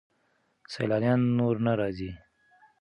سیلانیان نور نه راځي.